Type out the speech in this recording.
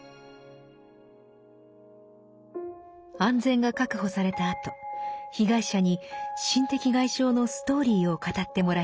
安全が確保されたあと被害者に心的外傷のストーリーを語ってもらいます。